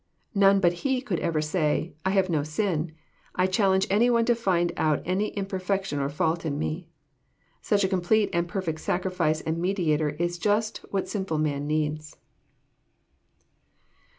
None but He could ever say, "I have no sin. I challenge any one to find out any imperfection or fault in Me." Such a complete and perfect Sacrifice and Mediator is Just what sinful man needs.